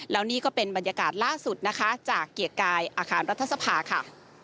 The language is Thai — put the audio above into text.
แล้วนี่ก็เป็นบรรยากาศล่าสุดนะคะจากเกียรติกายอาคารรัฐสภาค่ะ